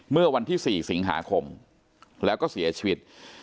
เมื่อวันที่๔สิงหาคมแล้วก็เสียชีวิต